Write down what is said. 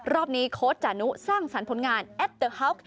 รอบนี้โค้ดจานุสร้างสรรพงานแอธเทอร์ฮาวค์